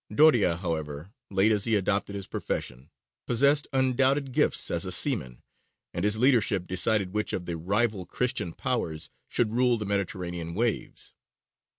Doria, however, late as he adopted his profession, possessed undoubted gifts as a seaman, and his leadership decided which of the rival Christian Powers should rule the Mediterranean waves.